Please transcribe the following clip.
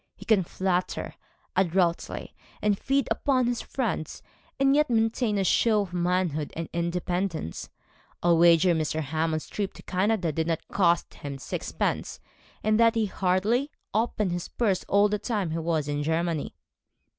He can flatter adroitly, and feed upon his friends, and yet maintain a show of manhood and independence. I'll wager Mr. Hammond's trip to Canada did not cost him sixpence, and that he hardly opened his purse all the time he was in Germany.'